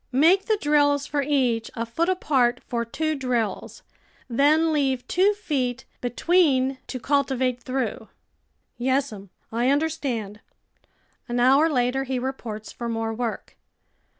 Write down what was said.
Make the drills for each a foot apart for two drills, then leave two feet be THE VEGETABLE GARDEN tween to cultivate through." " Yes'em, I under stand." An hour later he reports for more work.